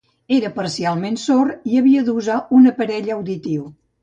Era parcialment sord, i havia d'usar un aparell auditiu.